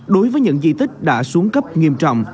đối với những di tích đã xuống cấp nghiêm trọng